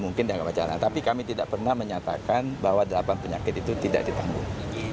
mungkin dianggap wacana tapi kami tidak pernah menyatakan bahwa delapan penyakit itu tidak ditanggung